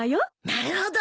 なるほど！